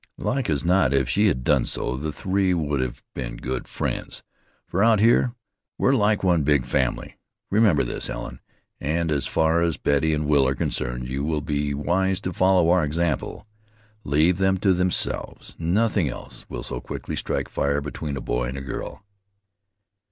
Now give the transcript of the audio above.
Like as not, if she had done so, the three would have been good friends, for out here we're like one big family. Remember this, Helen, and as far as Betty and Will are concerned you will be wise to follow our example: Leave them to themselves. Nothing else will so quickly strike fire between a boy and a girl."